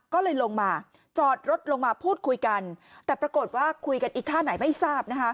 ก็เลยลงมาจอดรถลงมาพูดคุยกันแต่ปรากฏว่าคุยกันอีกท่าไหนไม่ทราบนะคะ